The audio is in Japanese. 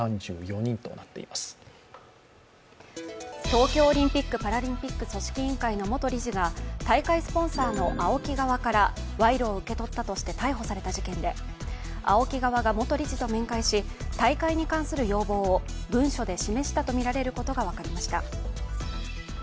東京オリンピック・パラリンピック組織委員会の元理事が、大会スポンサーのＡＯＫＩ側から賄賂を受け取ったとして逮捕された事件でＡＯＫＩ側が元理事と面会し、大会に関する要望を文書で示したとみられることが分かりました。